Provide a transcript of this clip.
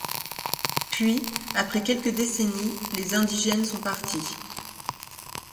Puis, après quelques décennies, les indigènes sont partis.